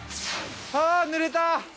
◆あぬれた。